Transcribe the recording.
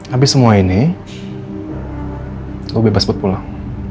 habis semua ini lo bebas buat pulang